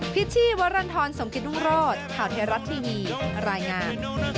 พิธีวัลลันธรรมสมกิตรรุงโลศิถ่าวเทราะที่๒รายงาน